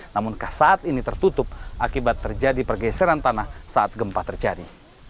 namun saat ini tertutup akibat terjadi pergeseran tanah saat gempa terjadi